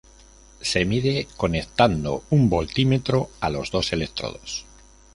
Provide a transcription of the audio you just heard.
Se mide conectando un voltímetro a los dos electrodos.